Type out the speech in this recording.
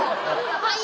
はい。